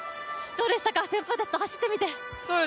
どうでしたか、先輩たちと走ってみて？